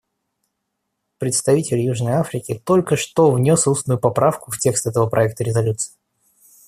Представитель Южной Африки только что внес устную поправку в текст этого проекта резолюции.